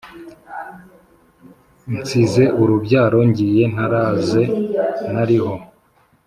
Nsize urubyaro Ngiye ntaraze nariho